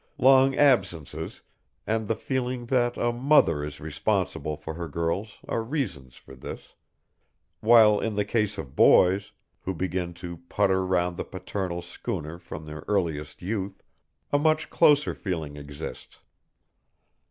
Long absences and the feeling that a mother is responsible for her girls are reasons for this; while in the case of boys, who begin to putter round the parental schooner from their earliest youth, a much closer feeling exists.